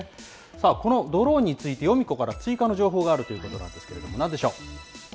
このドローンについて、ヨミ子から追加の情報があるということなんですけれども、なんでしょう？